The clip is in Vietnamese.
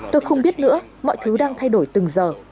tôi không biết nữa mọi thứ đang thay đổi từng giờ